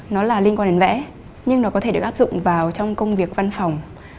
nó là liên quan đến vẽ nhưng nó có thể được áp dụng vào trong công việc văn phòng